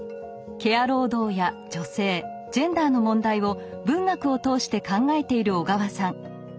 ケア労働や女性ジェンダーの問題を文学を通して考えている小川さん。